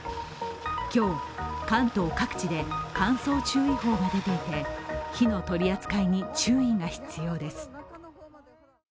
今日、関東各地で乾燥注意報が出ていて火の取り扱いに注意が必要です。